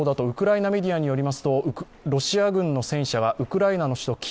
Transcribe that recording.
ウクライナメディアによりますと、ロシア軍の戦車がウクライナの首都